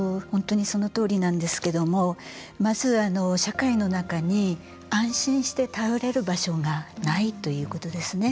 本当にそのとおりなんですけどもまず、社会の中に安心して頼れる場所がないということです。